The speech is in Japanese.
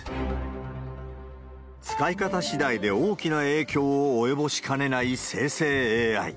使い方しだいで大きな影響を及ぼしかねない生成ＡＩ。